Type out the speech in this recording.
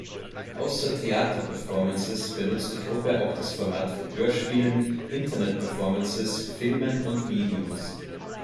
Außer Theater-Performances benutzt die Gruppe auch das Format von Hörspielen, Internet-Performances, Filmen und Videos.